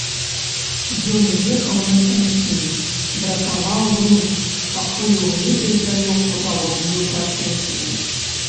Ён ехаў нацянькі, дратаваў рунь, пакуль угледзеў здалёку жалобную працэсію.